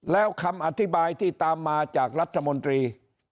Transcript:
แล้วคำอธิบายที่ตามมาจากรัฐมนตรี